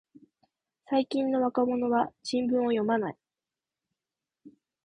最近の若者は新聞を読まない